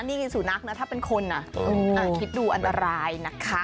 นี่ไงสุนัขนะถ้าเป็นคนคิดดูอันตรายนะคะ